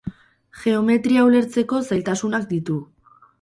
Geometria ulertzeko zailtasunak ditu.